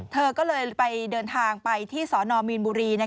เธอก็เลยไปเดินทางไปที่สนมีนบุรี